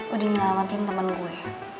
udah nyelamatin temen gue